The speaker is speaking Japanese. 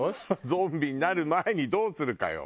ゾンビになる前にどうするかよ。